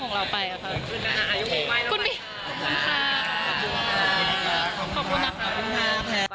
ขอบคุณค่ะ